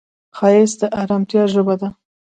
ښایست د ارامتیا ژبه ده